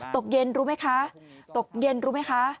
ตกเย็นรู้ไหมคะ